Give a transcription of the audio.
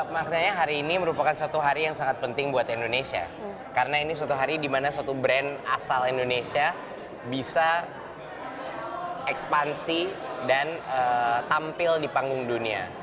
maknanya hari ini merupakan suatu hari yang sangat penting buat indonesia karena ini suatu hari dimana suatu brand asal indonesia bisa ekspansi dan tampil di panggung dunia